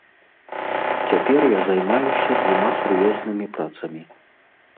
Цяпер я займаюся двума сур'ёзнымі працамі.